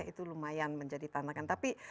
itu lumayan menjadi tantakan